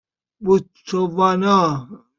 بوتسوانا